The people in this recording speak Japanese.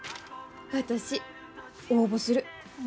私応募する。